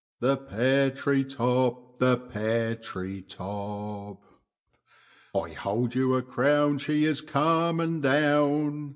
The pear tree top, the pear tree top; I hold you a crown she is coming down.